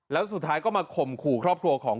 แล้วสุดท้ายก็มาข่มขู่ครอบครัวของ